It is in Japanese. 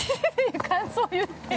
◆感想言ってよ。